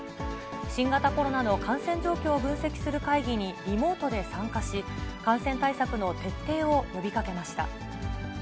新型コロナの感染状況を分析する会議にリモートで参加し、感染対策の徹底を呼びかけました。